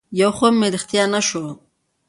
يو خوب مې رښتيا نه شو